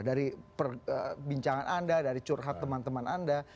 dari perbincangan anda dari curhat teman teman anda